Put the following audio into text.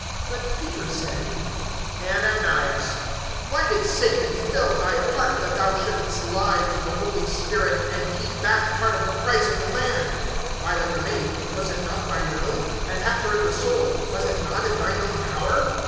(3)But Peter said: Ananias, why did Satan fill thy heart, that thou shouldst lie to the Holy Spirit, and keep back part of the price of the land? (4)While it remained, was it not thine own? And after it was sold, was it not in thine own power?